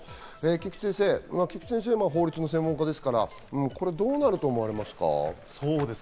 菊地先生、法律の専門家ですから、これどうなると思われますか？